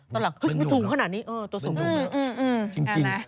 ตอนหลังไม่ถูกขนาดนี้ตัวสูง